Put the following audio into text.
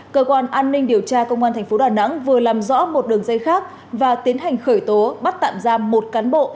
cơ quan an ninh điều tra công an tp đn vừa làm rõ một đường dây khác và tiến hành khởi tố bắt tạm ra một cán bộ